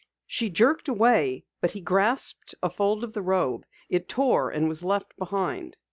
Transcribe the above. She jerked away, but he grasped a fold of the robe. It tore and was left behind.